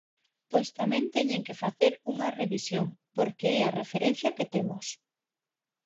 Pois tamén teñen que facer unha revisión, porque é a referencia que temos.